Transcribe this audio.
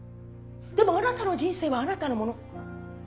でもあなたの人生はあなたのもの。